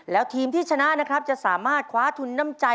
แล้วทีมที่ชนะนะครับจะสามารถคว้าทุนน้ำใจ